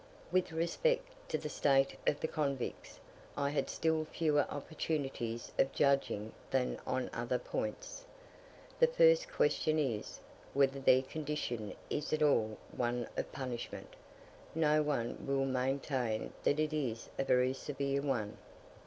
With respect to the state of the convicts, I had still fewer opportunities of judging than on other points. The first question is, whether their condition is at all one of punishment: no one will maintain that it is a very severe one.